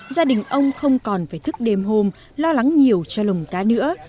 gia đình ông không còn phải thức đêm hôm lo lắng nhiều cho lồng cá nữa